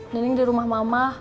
nining di rumah mama